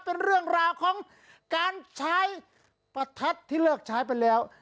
เป็นเรื่องราวของการใช้ประทัดที่เลิกใช้ไปแล้ว